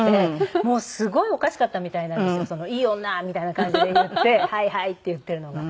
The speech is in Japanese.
もうすごいおかしかったみたいなんですよいい女みたいな感じで言って「はいはい」って言っているのが。